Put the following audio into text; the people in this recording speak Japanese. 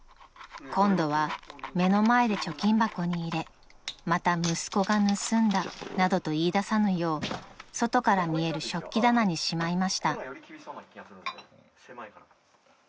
［今度は目の前で貯金箱に入れまた息子が盗んだなどと言いださぬよう外から見える食器棚にしまいました］